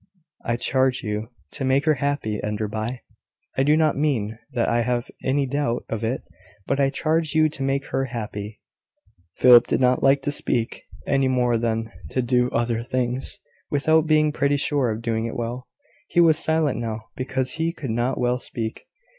I charge you to make her happy, Enderby. I do not mean that I have any doubt of it: but I charge you to make her happy." Philip did not like to speak (any more than to do other things) without being pretty sure of doing it well. He was silent now because he could not well speak.